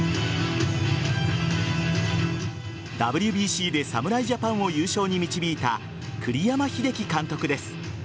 ＷＢＣで侍ジャパンを優勝に導いた栗山英樹監督です。